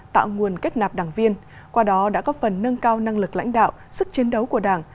đã gặp đảng viên qua đó đã có phần nâng cao năng lực lãnh đạo sức chiến đấu của đảng